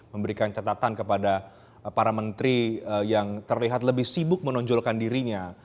memberikan catatan kepada para menteri yang terlihat lebih sibuk menonjolkan dirinya